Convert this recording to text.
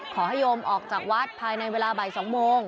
ขอให้โยมออกจากวัดภายในเวลาบ่าย๒โมง